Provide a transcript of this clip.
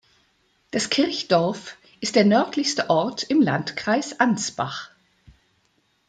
Das Kirchdorf ist der nördlichste Ort im Landkreis Ansbach.